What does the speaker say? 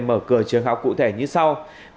mở cửa trường học cụ thể như sau